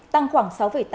tăng khoảng sáu tám